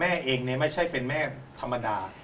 แม่เองนี่ไม่ใช่แม่ธรรมดา